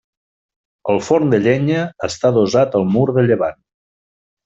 El forn de llenya està adossat al mur de llevant.